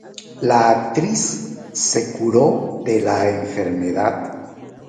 La actriz se curó de la enfermedad.